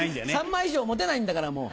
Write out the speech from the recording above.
３枚以上持てないんだから、もう。